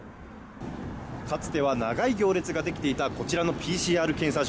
かつては長い行列が出来ていたこちらのＰＣＲ検査場。